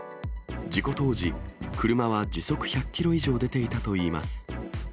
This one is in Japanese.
事故当時、車は時速１００キロ以上出ていたといいます。